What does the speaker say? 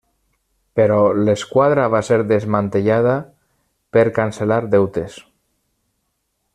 Però l'esquadra va ser desmantellada per cancel·lar deutes.